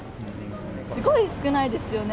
すごい少ないですよね。